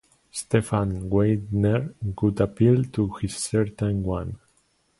Stephan Weidner would appeal to his certain one.